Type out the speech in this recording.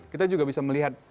kita juga bisa melihat